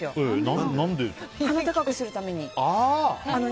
鼻を高くするために。